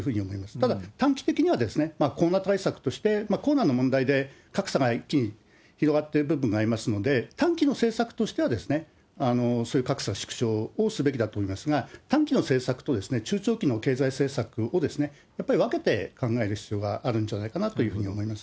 ただ、短期的にはコロナ対策として、コロナの問題で格差が一気に広がっている部分がありますので、短期の政策としては、そういう格差縮小をすべきだと思うんですが、短期の政策と中長期の経済政策をやっぱり分けて考える必要があるんじゃないかなというふうに思います。